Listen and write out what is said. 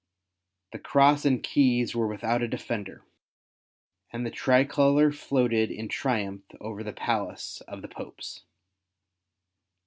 The Cross and Keys were without a defender, and the tricolour floated in triumph over the palace of the Popes.